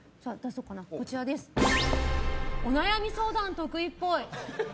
お悩み相談、得意っぽい。